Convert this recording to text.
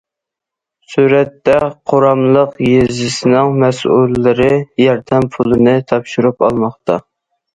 سۈرەتتە: قۇراملىق يېزىسىنىڭ مەسئۇللىرى ياردەم پۇلىنى تاپشۇرۇپ ئالماقتا.